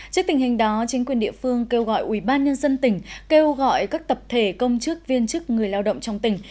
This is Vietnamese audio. trước tình hình đó chính quyền địa phương kêu gọi ubnd tỉnh kêu gọi các tập thể công chức viên chức người lao động trong tỉnh